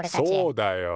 そうだよ。